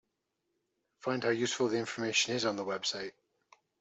Find how useful the information is on the website.